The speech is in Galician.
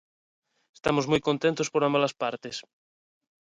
Estamos moi contentos por ambas as partes.